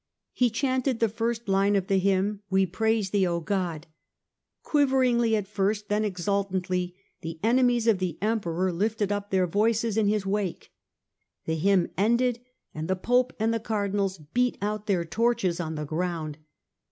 He chanted the first line of the hymn, " We praise thee, O God !" Quaveringly at first, then exultantly, the enemies of the Emperor lifted up their voices in his wake. The hymn ended and the Pope and his Cardinals beat out their torches on the ground.